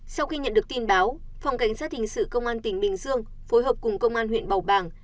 sau khi nhận được tin báo phòng cảnh sát hình sự công an tỉnh bình dương phối hợp cùng công an huyện bầu bàng